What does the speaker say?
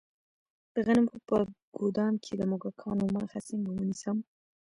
د غنمو په ګدام کې د موږکانو مخه څنګه ونیسم؟